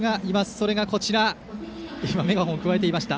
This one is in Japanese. それがこちらメガホンをくわえていました